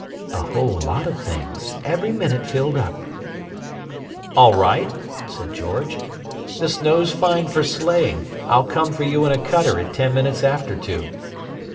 "A whole lot of things. Every minute filled up." "All right," said George. "The snow's fine for sleighing: I'll come for you in a cutter at ten minutes after two."